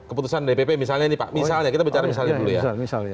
keputusan dpp misalnya ini pak misalnya kita bicara misalnya dulu ya